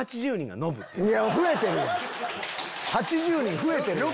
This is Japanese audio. ８０人増えてるやん。